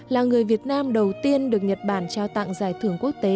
là người việt nam đầu tiên được nhật bản trao tặng giải thưởng quốc tế